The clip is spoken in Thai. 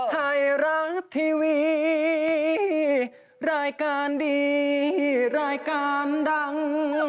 ไทยรัฐทีวีรายการดีรายการดัง